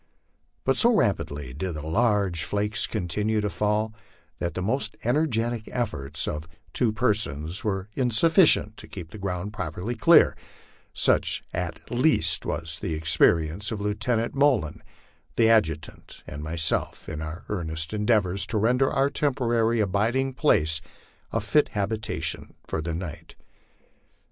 But so rap idly did the large flakes continue to fall that the most energetic efforts of two persons were insufficient to keep the ground properly clear; such at least was the experience of Lieutenant Moylan, the adjutant, and myself, in our earnest 148 LIFE ON THE PLAINS. endeavors to render our temporary abiding place a fit habitation for the night.